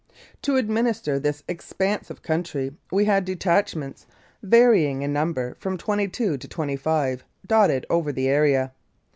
To administer this expanse of country we had detachments, varying in number from twenty two to twenty five, dotted over the area.